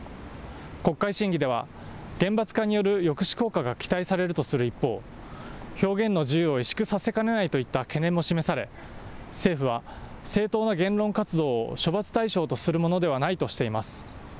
国会審議では、厳罰化による抑止効果が期待されるとする一方、表現の自由を委縮させかねないといった懸念も示され、政府は、正当な言論活動を処罰対象とするものではないとしています。